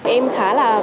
em khá là